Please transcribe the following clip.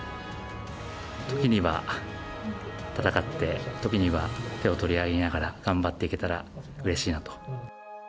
時には戦って、時には手を取り合いながら頑張っていけたらうれしいなと。